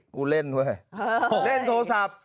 เล่นเว้ยเล่นโทรศัพท์